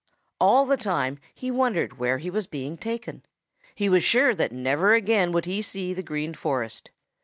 All the time he wondered where he was being taken. He was sure that never again would he see the Green Forest.